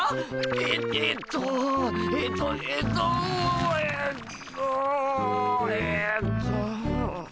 ええっとえっとえっとえっとえっと。